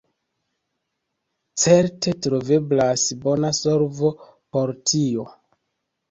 Certe troveblas bona solvo por tio.